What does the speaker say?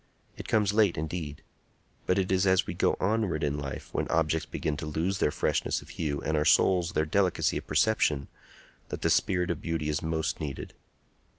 It comes late, indeed; but it is as we go onward in life, when objects begin to lose their freshness of hue and our souls their delicacy of perception, that the spirit of beauty is most needed.